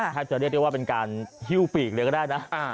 ถ้าจะเรียกว่าเป็นการฮิ้วปีกเรียกได้นะ